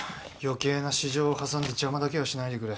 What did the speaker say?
余計な私情を挟んで邪魔だけはしないでくれ。